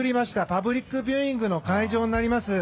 パブリックビューイングの会場になります。